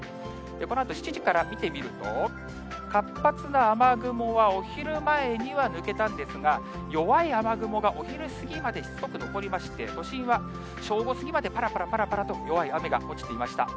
このあと、７時から見てみると、活発な雨雲はお昼前には抜けたんですが、弱い雨雲が、お昼過ぎまでしつこく残りまして、都心は正午過ぎまでぱらぱらぱらぱらと弱い雨が落ちていました。